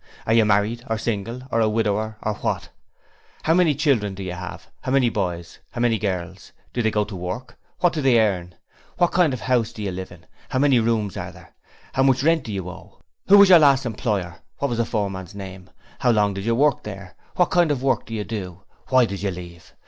'Are you Married or single or a Widower or what?' 'How many children have you? How many boys? How many girls? Do they go to work? What do they earn?' 'What kind of a house do you live in? How many rooms are there?' 'How much rent do you owe?' 'Who was your last employer? What was the foreman's name? How long did you work there? What kind of work did you do? Why did you leave?'